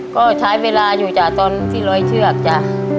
ก็ใช้เวลาอยู่จ้ะตอนที่ร้อยเชือกจ้ะ